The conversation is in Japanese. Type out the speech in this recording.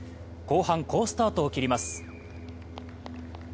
後半好スタートを切ります。